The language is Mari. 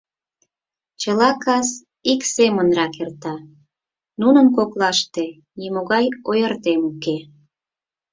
Чыла кас ик семынрак эрта, нунын коклаште нимогай ойыртем уке.